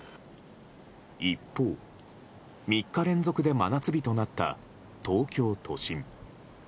一方、３日連続で真夏日となった東京都心。